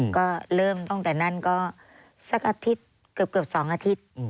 ก็เริ่มตั้งแต่นั้นก็สักอาทิตย์เกือบ๒อาทิตย์